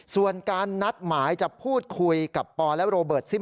ส่วนการนัดหมายจะพูดคุยกับปอและโรเบิร์ตซิ่ม